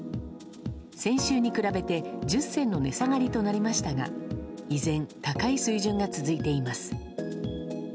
先週に比べて、１０銭の値下がりとなりましたが、依然、高い水準が続いています。